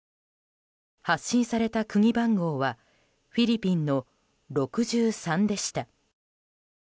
発信された国番号はフィリピンの６３でした。